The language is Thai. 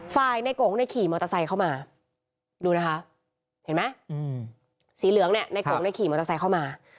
ในโกงเนี่ยขี่มอเตอร์ไซค์เข้ามาดูนะคะเห็นไหมสีเหลืองเนี่ยในกงในขี่มอเตอร์ไซค์เข้ามา